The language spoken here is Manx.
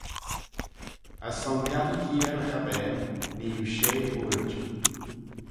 As son lhiattee heear y chabbane nee oo shey buird.